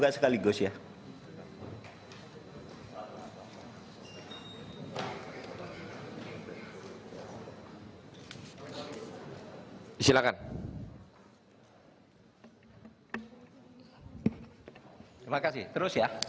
terima kasih terus ya